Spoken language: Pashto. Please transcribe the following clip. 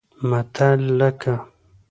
متل لکه